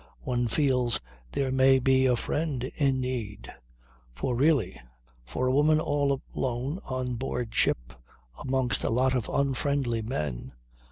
One feels there may be a friend in need. For really, for a woman all alone on board ship amongst a lot of unfriendly men